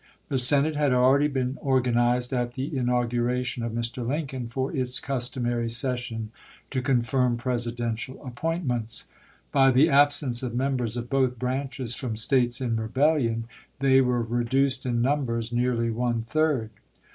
The Senate had already been organized at the inauguration of Mr. Lincoln, for its customai'y session to confirm Presidential appointments. By the absence of members of both branches from States in rebellion they were reduced in numbers nearly one third.